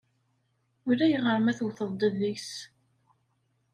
Ulayɣer ma tewteḍ-d deg-s.